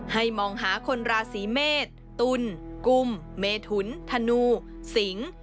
ให้มองหาคนราศีเมษตุลกุมเมถุนธนูสิง